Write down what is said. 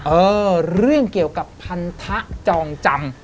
เออเรื่องเกี่ยวกับพันธะจองจำ